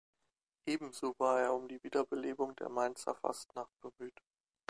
Ebenso war er um die Wiederbelebung der Mainzer Fastnacht bemüht.